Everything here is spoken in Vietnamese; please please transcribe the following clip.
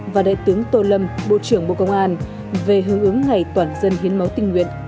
và đại tướng tô lâm bộ trưởng bộ công an về hướng ứng ngày toàn dân hiến máu tình nguyện